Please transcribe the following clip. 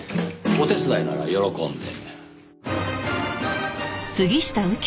お手伝いなら喜んで。